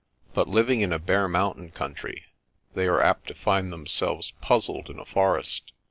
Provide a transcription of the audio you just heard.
But living in a bare mountain country they are apt to find themselves puzzled in a forest.